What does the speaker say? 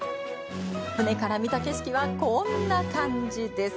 舟から見た景色は、こんな感じ。